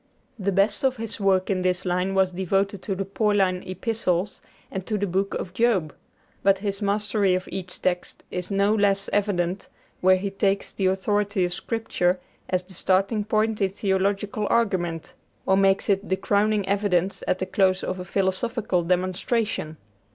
The best of his work in this line was devoted to the Pauline Epistles and to the Book of Job; but his mastery of each text is no less evident where he takes the authority of Scripture as the starting point in theological argument, or makes it the crowning evidence at the close of a philosophical demonstration.